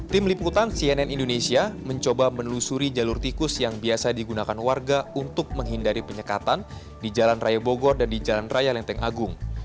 tim liputan cnn indonesia mencoba menelusuri jalur tikus yang biasa digunakan warga untuk menghindari penyekatan di jalan raya bogor dan di jalan raya lenteng agung